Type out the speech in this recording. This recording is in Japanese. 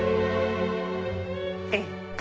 ええ。